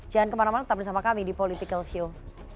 jangan kemana mana tetap bersama kami di politikalshow